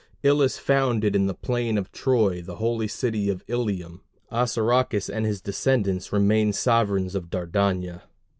Ilus founded in the plain of Troy the holy city of Ilium; Assaracus and his descendants remained sovereigns of Dardania.